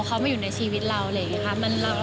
เขามาอยู่ในชีวิตเราอะไรอย่างนี้ค่ะ